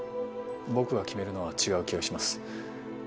僕が決めるのは違う気がします。